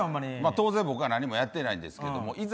当然、僕は何もやってないですけどいざ